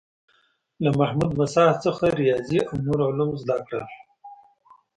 له محمود مساح څخه ریاضي او نور علوم زده کړل.